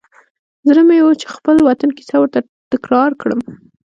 زړه مې و چې د خپل وطن کیسه ورته تکرار کړم.